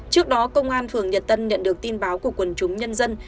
trước đó công an phường nhật tân nhận được tin báo của quần chúng nhân dân